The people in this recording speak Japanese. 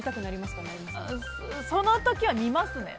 その時は見ますね。